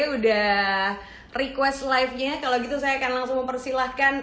udah request live nya kalau gitu saya akan langsung mempersilahkan